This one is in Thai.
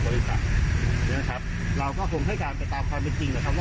บริษัทนะครับเราก็คงให้การไปตามความเป็นจริงนะครับว่า